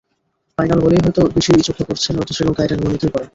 Final বলেই হয়তো বেশি চোখে পড়েছে, নয়তো শ্রীলঙ্কা এটা নিয়মিতই করে।